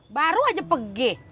baru aja pegeh